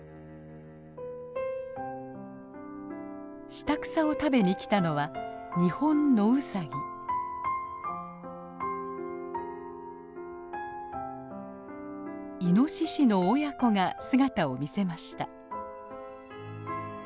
下草を食べにきたのはイノシシの親子が姿を見せました。